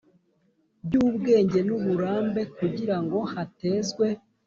By ubwenge n uburambe kugira ngo hatezwe